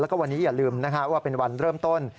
แล้วก็วันนี้อย่าลืมว่าเป็นวันเริ่มต้น